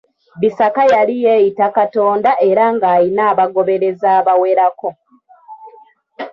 Bisaka yali yeeyita Katonda era ng'alina abagoberezi abawerako.